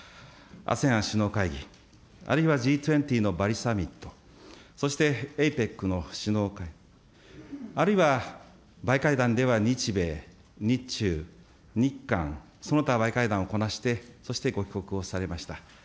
ＡＳＥＡＮ首脳会議、あるいはＧ２０のバリサミット、そしてＡＰＥＣの首脳会議、あるいはバイ会談では日米、日中、日韓、その他バイ会談をこなして、そしてご帰国をされました。